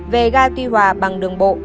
về gà tuy hòa bằng đường bộ